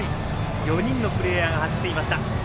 ４人のプレーヤーが走っていました。